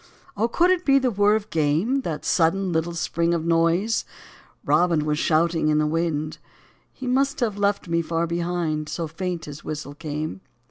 Oh, could it be the whirr of game, That sudden, little spring of noise ! Robin was shouting in the wind ; He must have left me far behind, So faint his whistle came.